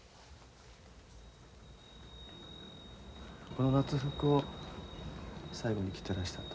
この夏服を最後に着てらしたと。